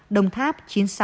đồng tháp chín mươi sáu